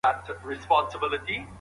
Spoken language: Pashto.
کوربه د مېلمه مخکي نه ډوډۍ خوري.